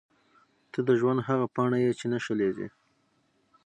• ته د ژوند هغه پاڼه یې چې نه شلېږي.